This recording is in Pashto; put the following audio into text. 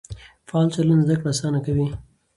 فعال چلند زده کړه اسانه کوي.